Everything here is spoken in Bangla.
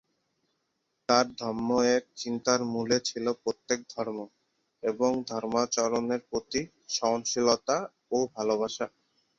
তাঁর ধম্ম-এর চিন্তার মূলে ছিল প্রত্যেক ধর্ম এবং ধর্মাচরণের প্রতি সহনশীলতা ও ভালোবাসা।